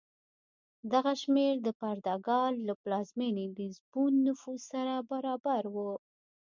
دغه شمېر د پرتګال له پلازمېنې لېزبون نفوس سره برابر و.